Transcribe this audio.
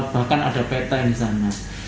bahkan ada peta yang di sana